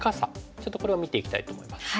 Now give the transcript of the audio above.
ちょっとこれを見ていきたいと思います。